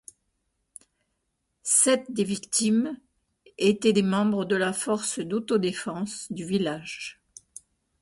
Sept des victimes étaient des membres de la force d'autodéfense du village.